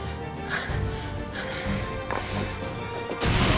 あっ。